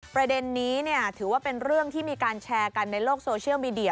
ประเด็นนี้ถือว่าเป็นเรื่องที่มีการแชร์กันในโลกโซเชียลมีเดีย